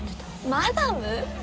マダム？